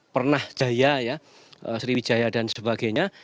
pernah jaya ya sriwijaya dan sebagainya